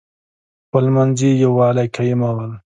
خپلمنځي یوالی قایمول.